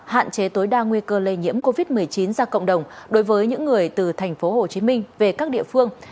hạn chế tối đa nguy cơ lây nhiễm covid một mươi chín ra cộng đồng đối với những người từ thành phố hồ chí minh về các địa phương